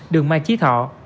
đường mai chí thọ